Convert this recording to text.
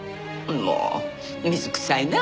もう水くさいなあ。